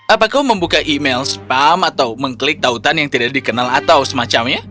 apa kau membuka email spam atau mengklik tautan yang tidak dikenal atau semacamnya